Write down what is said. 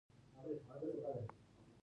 زه د الله جل جلاله شکر کوم.